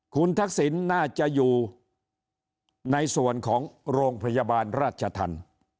คุณทักษิณน่าจะอยู่ในส่วนของโรงพยาบาลราชธรรม